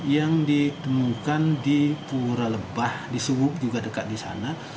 yang ditemukan di puralebah di subuk juga dekat di sana